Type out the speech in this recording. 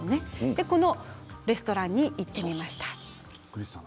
そのレストランに行ってきました。